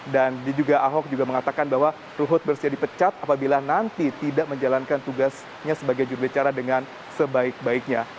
dan ahok juga mengatakan bahwa ruhut berhasil dipecat apabila nanti tidak menjalankan tugasnya sebagai jurubicara dengan sebaik baiknya